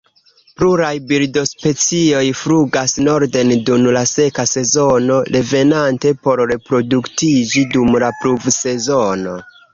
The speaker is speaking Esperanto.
Pluraj birdospecioj flugas norden dum la seka sezono, revenante por reproduktiĝi dum la pluvsezono.